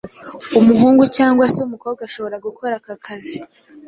umuhungu cyangwa se umukobwa ashobora gukora aka kazi